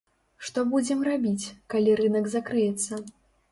Што будзем рабіць, калі рынак закрыецца?